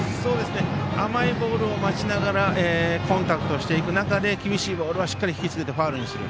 甘いボールを待ちながらコンタクトしていく中で厳しいボールはひきつけてファウルにする。